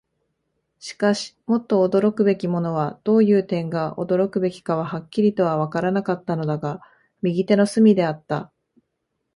しかし、もっと驚くべきものは、どういう点が驚くべきかははっきりとはわからなかったのだが、右手の隅であった。